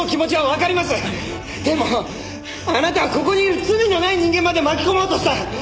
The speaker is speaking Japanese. でもあなたはここにいる罪のない人間まで巻き込もうとした。